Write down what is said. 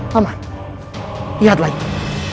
pak man lihat lainnya